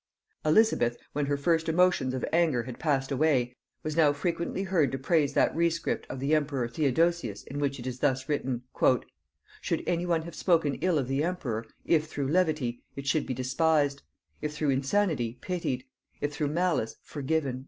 Elizabeth, when her first emotions of anger had passed away, was now frequently heard to praise that rescript of the emperor Theodosius in which it is thus written: "Should any one have spoken evil of the emperor, if through levity, it should be despised; if through insanity, pitied; if through malice, forgiven."